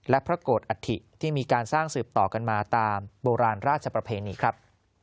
และพระโกรธอัฐิที่มีการสร้างสืบต่อกันมาตามโบราณราชประเพณีครับ